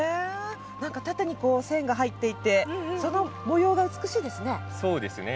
縦に線が入っていてその模様が美しいですね。